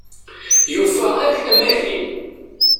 Yufa-ak amahil.